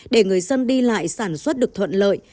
để người dân đi lại sản xuất được thuận lợi